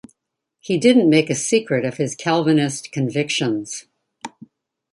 He didn't make a secret of his Calvinist convictions.